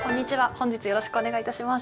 本日よろしくお願いいたします。